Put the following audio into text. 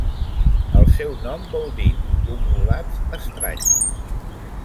El seu nom vol dir 'ungulats estranys'.